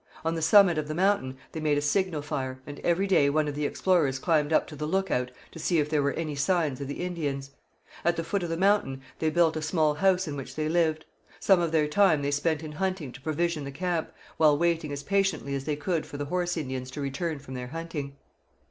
On the summit of the mountain they made a signal fire, and every day one of the explorers climbed up to the lookout to see if there were any signs of the Indians. At the foot of the mountain they built a small house in which they lived. Some of their time they spent in hunting to provision the camp, while waiting as patiently as they could for the Horse Indians to return from their hunting.